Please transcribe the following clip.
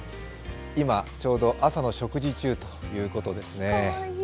今ちょうど朝の食事中ということですね。